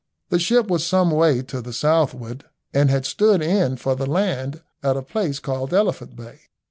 The ship was some way to the southward, and had stood in for the land at a place called Elephant Bay.